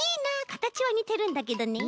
かたちはにてるんだけどね。